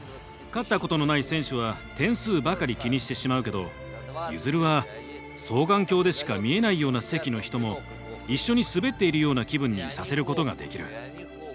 勝ったことのない選手は点数ばかり気にしてしまうけどユヅルは双眼鏡でしか見えないような席の人も一緒に滑っているような気分にさせることができる。